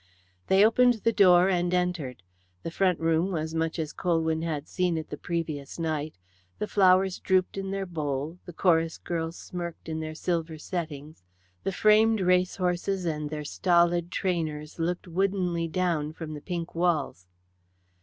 They opened the door and entered. The front room was much as Colwyn had seen it the previous night. The flowers drooped in their bowl; the chorus girls smirked in their silver settings; the framed racehorses and their stolid trainers looked woodenly down from the pink walls.